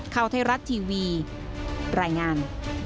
เข้าให้รัดทีวีรายงาน